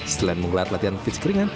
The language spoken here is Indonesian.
selain mengelar latihan fisik ringan